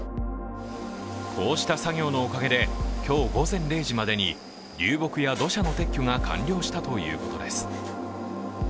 こうした作業のおかげで今日午前０時までに流木や土砂の撤去が完了したということです。